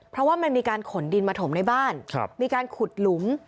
เพราะว่ามันมีการขนดินมาถมในบ้านมีการขุดหลุม